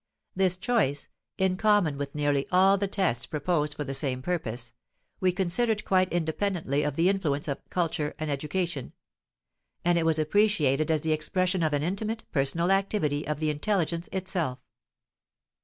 This choice, in common with nearly all the tests proposed for the same purpose, we considered quite independently of the influence of culture and education; and it was appreciated as the expression of an intimate, personal activity of the intelligence itself.